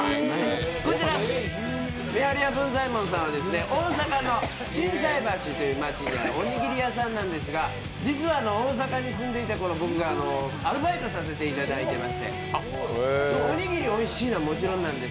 こちら、めはり屋文在ヱ門さんは大阪の心斎橋という街にあるおにぎり屋さんなんですが、実は、大阪に住んでいたころ僕がアルバイトさせていただいていまして、おにぎりおいしいのはもちろんなんです。